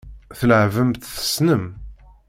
Tleɛɛbem-tt tessnem.